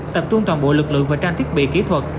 tập trung toàn bộ lực lượng và trang thiết bị kỹ thuật